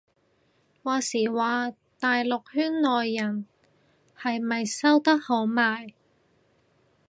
話時話大陸圈內人係咪收得好埋